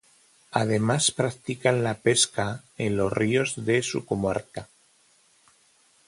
Además practican la pesca en los ríos de su comarca.